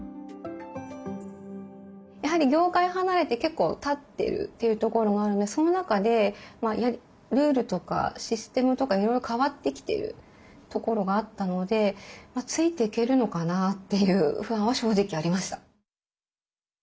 やはり業界離れて結構たってるというところもあるのでその中でルールとかシステムとかいろいろ変わってきてるところがあったのでついていけるのかなという不安は正直ありました。